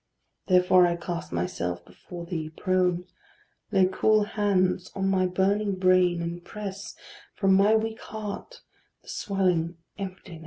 Therefore I cast myself before thee prone: Lay cool hands on my burning brain, and press From my weak heart the swelling emptiness.